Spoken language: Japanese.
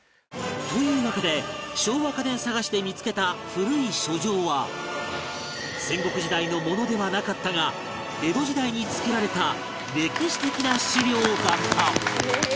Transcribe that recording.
というわけで昭和家電探しで見付けた古い書状は戦国時代のものではなかったが江戸時代に作られた歴史的な資料だった